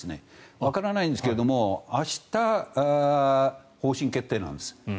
わからないんですけど明日、方針決定なんです。